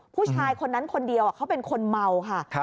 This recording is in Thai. ผู้ชายคนนั้นคนเดียวเขาเป็นคนเมาค่ะ